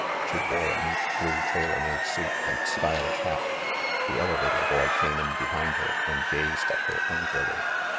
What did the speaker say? She wore a neat blue tailor made suit and stylish hat. The elevator boy came in behind her and gazed at her hungrily.